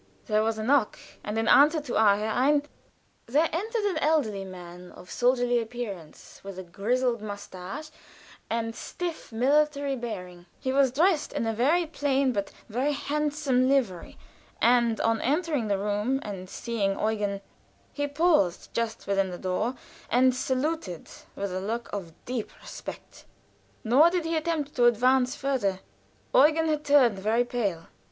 There was a knock, and in answer to our Herein! there entered an elderly man of soldierly appearance, with a grizzled mustache, and stiff, military bearing; he was dressed in a very plain, but very handsome livery, and on entering the room and seeing Eugen, he paused just within the door, and saluted with a look of deep respect; nor did he attempt to advance further. Eugen had turned very pale.